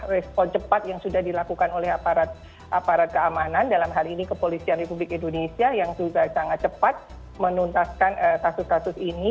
respon cepat yang sudah dilakukan oleh aparat keamanan dalam hal ini kepolisian republik indonesia yang juga sangat cepat menuntaskan kasus kasus ini